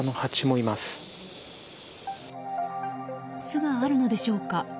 巣があるのでしょうか。